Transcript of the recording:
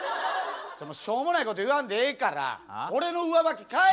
しょうもないこと言わんでええから俺の上履き返せって。